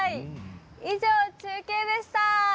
以上、中継でした！